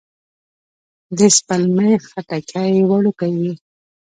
د سپلمۍ خټکی وړوکی وي